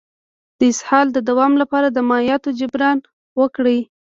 د اسهال د دوام لپاره د مایعاتو جبران وکړئ